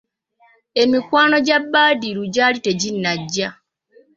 Emikwano gya Badru gyali teginajja.